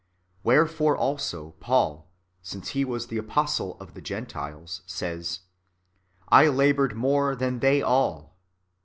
Wherefore also Paul, since he was the apostle of the Gentiles, says, " I laboured more than they all."